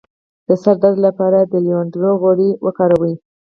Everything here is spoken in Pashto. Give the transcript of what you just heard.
د سر درد لپاره د لیوانډر غوړي وکاروئ